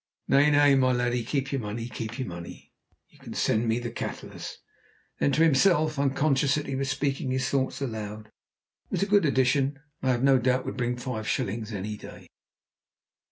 "Nay, nay! my laddie, keep your money, keep your money. Ye can send me the Catullus." Then to himself, unconscious that he was speaking his thoughts aloud: "It was a good edition, and I have no doubt would bring five shillings any day."